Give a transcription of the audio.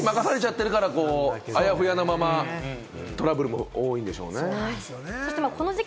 こっちに任されちゃってるからあやふやで、トラブルも多いんでしょうね。